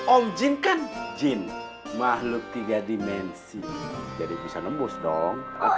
om jin kan jin makhluk tiga dimensi jadi bisa nembus dong